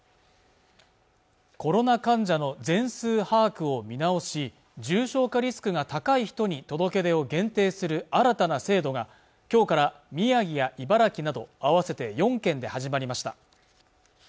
コロナ患者の全数把握を見直し重症化リスクが高い人に届け出を限定する新たな制度が今日から宮城や茨城など合わせて４県で始まりました